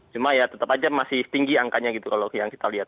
cuma ya tetap aja masih tinggi angkanya gitu kalau yang kita lihat